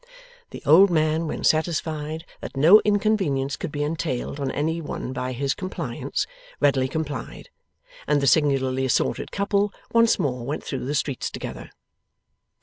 The old man when satisfied that no inconvenience could be entailed on any one by his compliance, readily complied; and the singularly assorted couple once more went through the streets together.